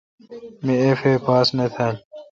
می اف اے پاس نہ تھال۔